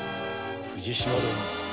藤島殿！？